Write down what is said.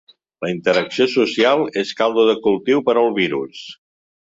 La interacció social és caldo de cultiu per al virus.